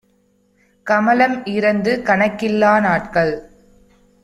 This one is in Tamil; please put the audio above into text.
"கமலம் இறந்து கணக்கிலா நாட்கள்